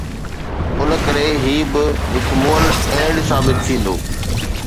ان ڪري هي به هڪ مئل اينڊ ثابت ٿيندو.